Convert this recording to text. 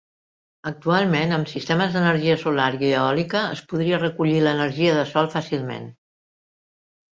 Actualment, amb sistemes d'energia solar i eòlica es podria recollir l'energia del sol fàcilment.